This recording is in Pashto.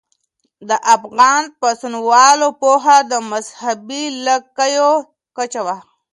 د افغان پاڅونوالو پوهه د مذهبي لږکیو کچه وه.